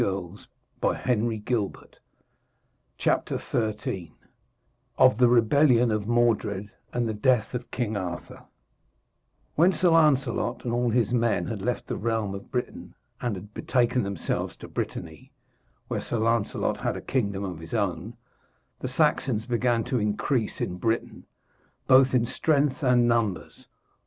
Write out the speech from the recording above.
Nor is all the evil ended yet.' XIII OF THE REBELLION OF MORDRED AND THE DEATH OF KING ARTHUR When Sir Lancelot and all his men had left the realm of Britain and had betaken themselves to Brittany, where Sir Lancelot had a kingdom of his own, the Saxons began to increase in Britain, both in strength and numbers.